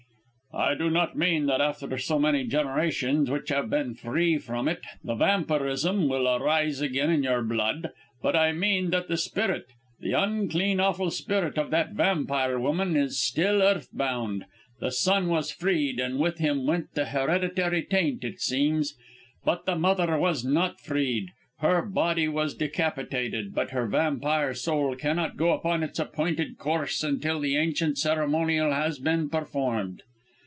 "I do not mean that after so many generations which have been free from it, the vampirism will arise again in your blood; but I mean that the spirit, the unclean, awful spirit of that vampire woman, is still earth bound. The son was freed, and with him went the hereditary taint, it seems; but the mother was not freed! Her body was decapitated, but her vampire soul cannot go upon its appointed course until the ancient ceremonial has been performed!"